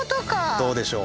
どうでしょう？